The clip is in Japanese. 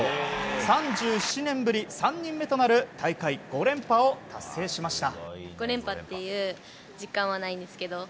３７年ぶり３人目となる大会５連覇を達成しました。